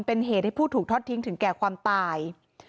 เป็นเหตุให้ผู้ถูกทอดทิ้งถึงแก่ความตาย